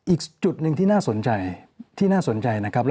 อีกจุดหนึ่งที่น่าสนใจที่น่าสนใจนะครับ